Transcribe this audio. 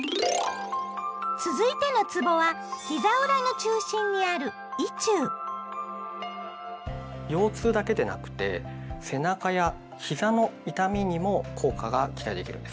続いてのつぼはひざ裏の中心にある腰痛だけでなくて背中やひざの痛みにも効果が期待できるんです。